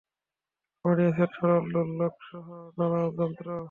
বানিয়েছেনে সরল দোলকসহ নানা যন্ত্র।